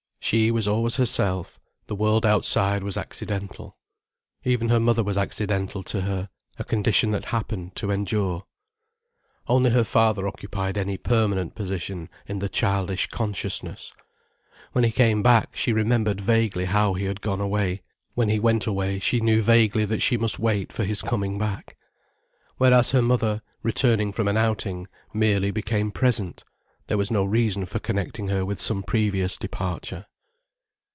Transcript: She was always herself, the world outside was accidental. Even her mother was accidental to her: a condition that happened to endure. Only her father occupied any permanent position in the childish consciousness. When he came back she remembered vaguely how he had gone away, when he went away she knew vaguely that she must wait for his coming back. Whereas her mother, returning from an outing, merely became present, there was no reason for connecting her with some previous departure.